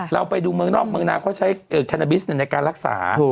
เราไปดูเมืองนอกเมืองนาเขาใช้แคนาบิสในการรักษา